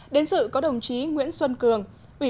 đến sự có đồng chí nguyễn xuân cường